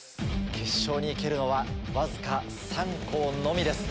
決勝に行けるのはわずか３校のみです。